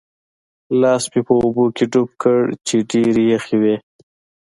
لاس مې په اوبو کې ډوب کړ چې ډېرې یخې وې.